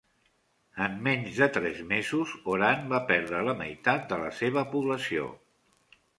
En menys de tres mesos, Oran va perdre la meitat de la seva població.